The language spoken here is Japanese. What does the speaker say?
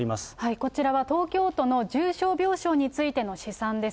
こちらは東京都の重症病床についての試算です。